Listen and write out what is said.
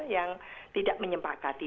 yang tidak menyempakati